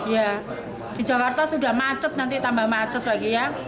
ya di jakarta sudah macet nanti tambah macet lagi ya